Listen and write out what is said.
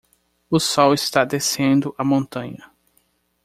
O sol está descendo a montanha.